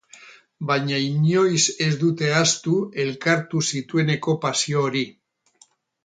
Baina inoiz ez dute ahaztu elkartu zitueneko pasio hori.